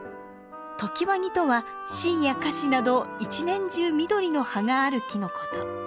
常磐木とはシイやカシなど一年中緑の葉がある木のこと。